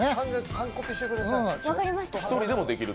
完コピしてください。